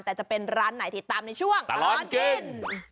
แต่จะเป็นร้านไหนติดตามในช่วงตลอดกิน